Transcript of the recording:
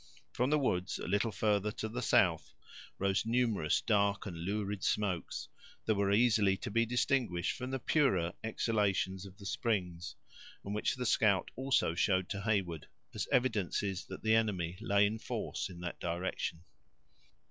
From the woods, a little further to the south, rose numerous dark and lurid smokes, that were easily to be distinguished from the purer exhalations of the springs, and which the scout also showed to Heyward, as evidences that the enemy lay in force in that direction.